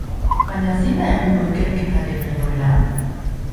Baina zein da egungo ikerketaren egoera?